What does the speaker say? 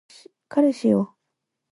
彼氏よ